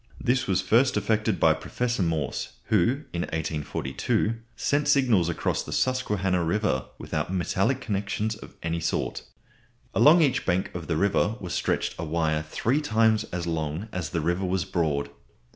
This was first effected by Professor Morse, who, in 1842, sent signals across the Susquehanna River without metallic connections of any sort. Along each bank of the river was stretched a wire three times as long as the river was broad.